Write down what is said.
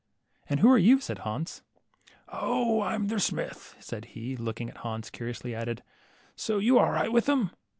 And who are you ?" said Hans. 0, I'm their smith," said he, and looking at Hans curiously, added, so you are all right with 'em."